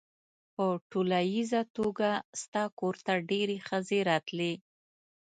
په ټولیزه توګه ستا کور ته ډېرې ښځې راتلې.